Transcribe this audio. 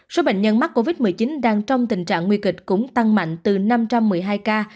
số bệnh nhân mắc covid một mươi chín đang trong tình trạng nguy kịch cũng tăng mạnh từ năm trăm một mươi hai ca